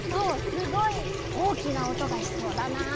すごいおおきなおとがしそうだなあ。